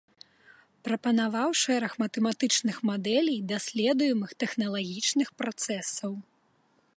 Прапанаваў шэраг матэматычных мадэлей даследуемых тэхналагічных працэсаў.